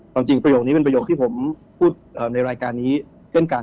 จริงประโยคนี้เป็นประโยคที่ผมพูดในรายการนี้เช่นกัน